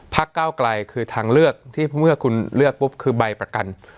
พกคือทางเลือกที่พอที่คุณเลือกปุ๊บคือใบประกัน